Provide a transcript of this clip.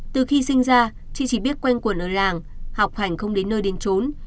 từ khi sinh ra chị chỉ biết quanh quần ở làng học hành không đến nơi đến trốn